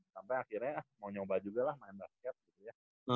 sampai akhirnya mau nyoba juga lah main basket gitu ya